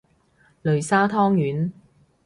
擂沙湯圓